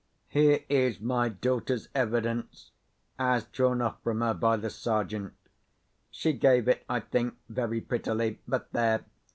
Here is my daughter's evidence, as drawn off from her by the Sergeant. She gave it, I think, very prettily—but, there!